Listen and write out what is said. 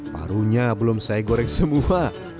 parunya belum saya goreng semua